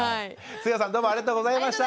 菅野さんどうもありがとうございました。